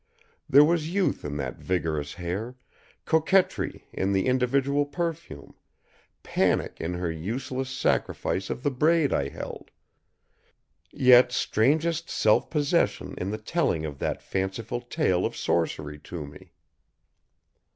There was youth in that vigorous hair, coquetry in the individual perfume, panic in her useless sacrifice of the braid I held; yet strangest self possession in the telling of that fanciful tale of sorcery to me.